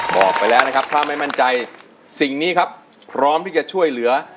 บอกไปแล้วนะครับถ้าไม่มั่นใจสิ่งนี้ครับพร้อมที่จะช่วยเหลือ